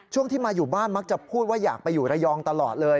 ช่วงที่มาอยู่บ้านมักจะพูดว่าอยากไปอยู่ระยองตลอดเลย